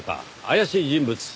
怪しい人物。